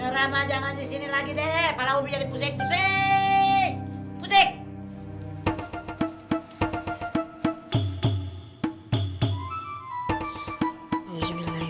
udah deh berisik ya pahala umi tengah pusing nih